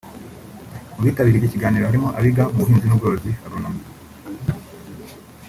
Mu bitabiriye iki kiganiro harimo abiga mu buhinzi n’ubworozi (Agronomie)